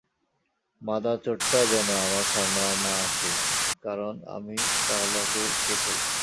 মাদারচোতটা যেন আমার সামনে আর না আসে, কারণ আমি তাহলে ওরে খেয়ে ফেলবো।